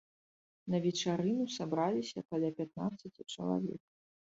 На вечарыну сабраліся каля пятнаццаці чалавек.